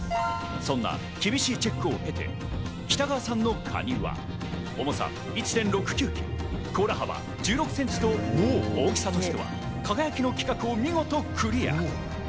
そんな厳しいチェックを経て、北川さんのかには重さ１．６９ｋｇ、甲羅幅１６ｃｍと重さ、大きさとしては輝の基準をクリア。